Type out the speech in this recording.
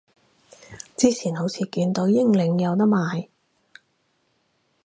之前好似見到英領有得賣